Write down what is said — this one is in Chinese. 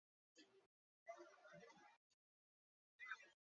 后世有人将他比作汉朝的贾谊。